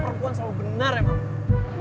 perempuan selalu benar emang